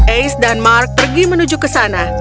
ace dan mark pergi menuju ke sana